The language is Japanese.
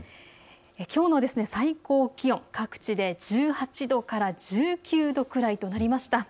きょうの最高気温、各地で１８度から１９度くらいとなりました。